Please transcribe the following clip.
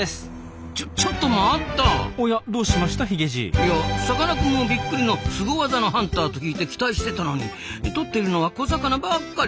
いやさかなクンもびっくりのスゴ技のハンターと聞いて期待してたのにとっているのは小魚ばっかり。